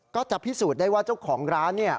ก็จะพิสูจน์ได้ว่าเจ้าของร้าน